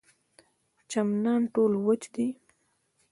چمنان ټول وچ دي.